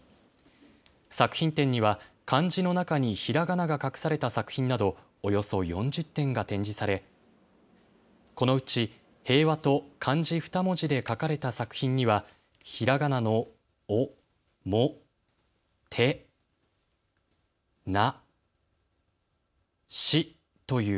作品展には漢字の中にひらがなが隠された作品などおよそ４０点が展示されこのうち平和と漢字２文字で書かれた作品にはひらがなのお・も・て・な・しという